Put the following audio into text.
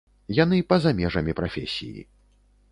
Яны па-за межамі прафесіі.